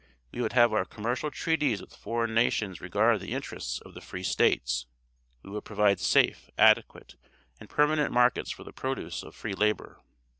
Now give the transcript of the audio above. We would have our commercial treaties with foreign nations regard the interests of the Free states. We would provide safe, adequate, and permanent markets for the produce of free labor.